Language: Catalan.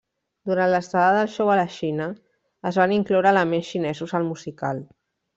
Durant l'estada del show a la Xina, es van incloure elements xinesos al musical.